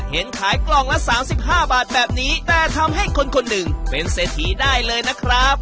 เห็นขายกล่องละ๓๕บาทแบบนี้แต่ทำให้คนคนหนึ่งเป็นเศรษฐีได้เลยนะครับ